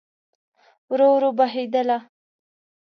ورو، ورو بهیدله